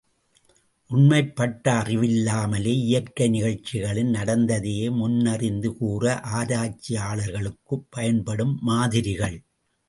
உண்மைப் பட்டறிவு இல்லாமலே இயற்கை நிகழ்ச்சிகளின் நடத்தையை முன்னறிந்து கூற ஆராய்ச்சியாளர்களுக்குப் பயன்படும் மாதிரிகள்.